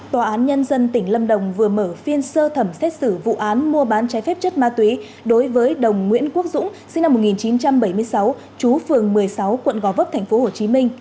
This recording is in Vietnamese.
tòa án nhân dân tỉnh lâm đồng vừa mở phiên sơ thẩm xét xử vụ án mua bán trái phép chất ma túy đối với đồng nguyễn quốc dũng sinh năm một nghìn chín trăm bảy mươi sáu chú phường một mươi sáu quận gò vấp tp hcm